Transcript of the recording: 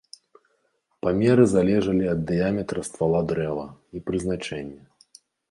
Памеры залежалі ад дыяметра ствала дрэва і прызначэння.